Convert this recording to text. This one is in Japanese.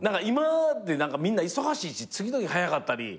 みんな忙しいし次の日早かったり。